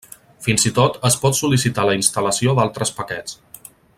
Fins i tot, es pot sol·licitar la instal·lació d'altres paquets.